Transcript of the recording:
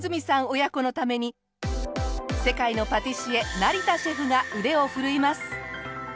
親子のために世界のパティシエ成田シェフが腕を振るいます！